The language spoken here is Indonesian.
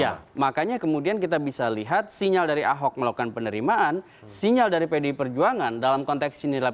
ya makanya kemudian kita bisa lihat sinyal dari ahok melakukan penerimaan sinyal dari pdi perjuangan dalam konteks inilah